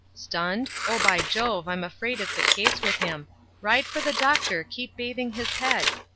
'Stunned? Oh, by Jove, I'm afraid it's a case with him; Ride for the doctor! keep bathing his head!